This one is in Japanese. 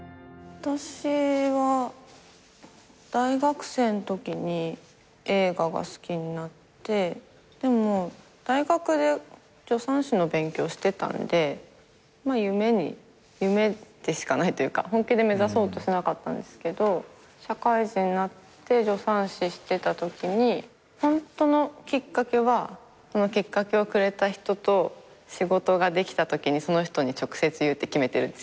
私は大学生んときに映画が好きになってでも大学で助産師の勉強してたんで夢でしかないというか本気で目指そうとしなかったんですけど社会人になって助産師してたときにホントのきっかけはきっかけをくれた人と仕事ができたときにその人に直接言うって決めてるんです。